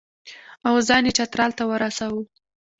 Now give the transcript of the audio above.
او ځان یې چترال ته ورساوه.